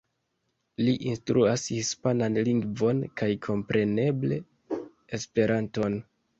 Li instruas hispanan lingvon, kaj kompreneble Esperanton.